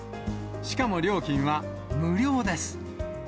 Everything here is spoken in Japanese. しかも料金は無料です。